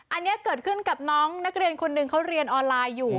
อันนี้เกิดขึ้นกับน้องนักเรียนคนหนึ่งเขาเรียนออนไลน์อยู่